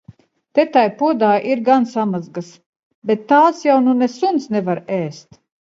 Te tai podā ir gan samazgas, bet tās jau ne suns nevar ēst.